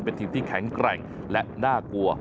เป็นทีมที่แข็งแกร่งและน่ากลัว